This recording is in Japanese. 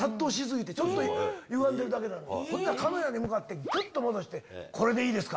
ほんならカメラに向かってぐっと戻して「これでいいですか？」